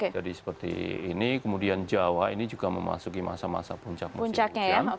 jadi seperti ini kemudian jawa ini juga memasuki masa masa puncak musim hujan